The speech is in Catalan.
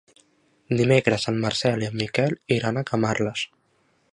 Dimecres en Marcel i en Miquel iran a Camarles.